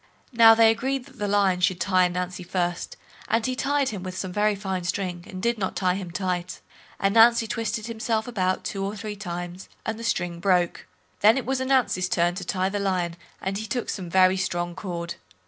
Now they agreed that the Lion should tie Ananzi first, and he tied him with some very fine string, and did not tie him tight. Ananzi twisted himself about two or three times, and the string broke. Then it was Ananzi's turn to tie the Lion, and he took some very strong cord.